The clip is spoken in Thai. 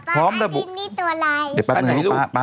พ่อป่าอาจริงมีตัวไร